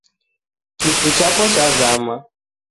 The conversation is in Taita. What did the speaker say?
Kifu chapo chazama.